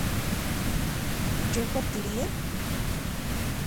¿yo partiría?